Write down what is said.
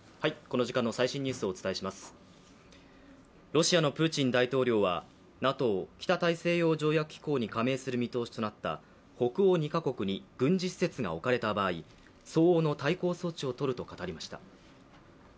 ロシアのプーチン大統領はＮＡＴＯ＝北大西洋条約機構に加盟する見通しとなった北欧２カ国に軍事施設が置かれた場合、相応の対抗措置を取ると語りました。